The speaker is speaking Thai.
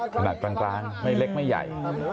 ขนาดกลางไม่เล็กไม่ใหญ่